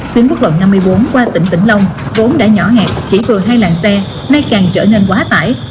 tuyến quốc lộ năm mươi bốn qua tỉnh vĩnh long vốn đã nhỏ ngạt chỉ từ hai làng xe nay càng trở nên quá tải